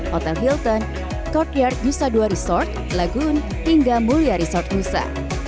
hotel hilton courtyard nusa dua resort lagun hingga mulia resort nusa